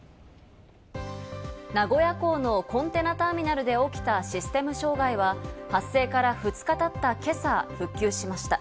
名古屋港のコンテナターミナルで起きたシステム障害は、発生から２日たった今朝、復旧しました。